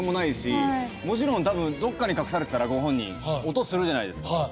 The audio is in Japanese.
もちろん多分どっかに隠されてたらご本人音するじゃないですか。